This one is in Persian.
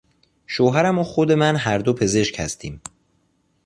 شوهرم و خود من هر دو پزشک هستیم.